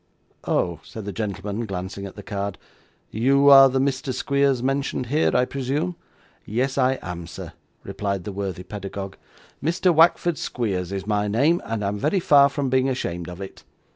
'Oh!' said the gentleman, glancing at the card, 'you are the Mr. Squeers mentioned here, I presume?' 'Yes, I am, sir,' replied the worthy pedagogue; 'Mr. Wackford Squeers is my name, and I'm very far from being ashamed of it.